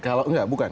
kalau nggak bukan